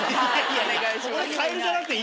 お願いします。